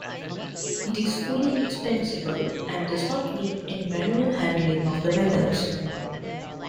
It is fully extensible and does not need any manual handling of the methods.